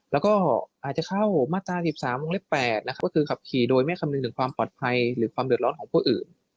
แล้วก็อาจจะเข้ามาตรา๑๓วงเล็บ๘นะครับก็คือขับขี่โดยไม่คำนึงถึงความปลอดภัยหรือความเดือดร้อนของผู้อื่น